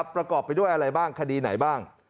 ประกอบไปด้วยอะไรบ้างคดีไหนบ้าง